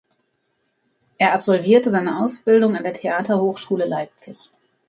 Er absolvierte seine Ausbildung an der Theaterhochschule Leipzig.